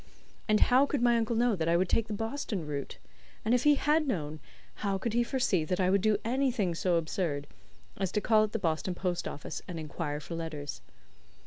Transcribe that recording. And how could my uncle know that I would take the Boston route? And if he had known, how could he foresee that I would do anything so absurd as to call at the Boston post office and inquire for letters?